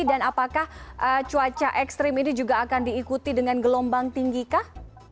dan apakah cuaca ekstrim ini juga akan diikuti dengan gelombang tinggi kah